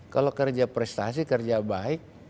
kalau kerja prestasi kerja baik